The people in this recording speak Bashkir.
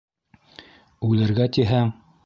Үлергә тиһәң...